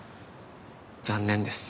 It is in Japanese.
残念です。